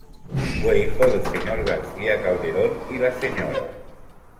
Fue hijo del señor García Calderón y la sra.